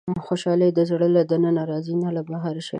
• خوشالي د زړه له دننه راځي، نه له بهرني شیانو.